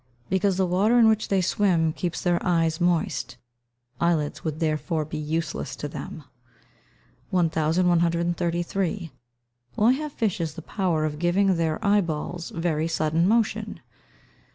_ Because the water in which they swim keeps their eyes moist. Eyelids would therefore be useless to them. 1133. _Why have fishes the power of giving their eye balls very sudden motion?